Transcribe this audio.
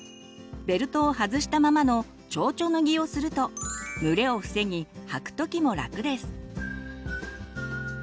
ベルトを外したままの「ちょうちょ脱ぎ」をすると蒸れを防ぎ履く時も楽です。